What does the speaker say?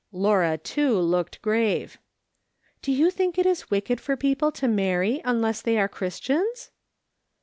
Laura, too, looked grave. "Do you think it is wicked for people to marry unless they are Christians